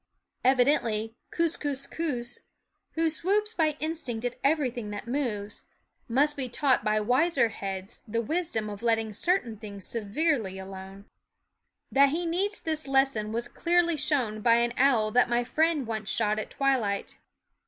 Evidently Kookooskoos, who swoops by instinct at everything that moves, must be taught by wiser heads the wisdom of letting certain things severely alone. That he needs this lesson was clearly shown by an owl that my friend once shot at twilight.